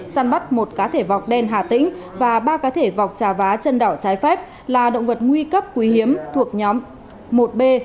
săn bắt một cá thể vọc đen hà tĩnh và ba cá thể vọc trà vá chân đỏ trái phép là động vật nguy cấp quý hiếm thuộc nhóm một b